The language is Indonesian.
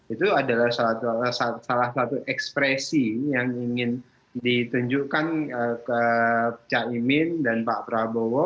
itu adalah salah satu ekspresi yang ingin ditunjukkan ke caimin dan pak prabowo